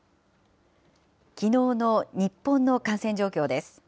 きのうの日本の感染状況です。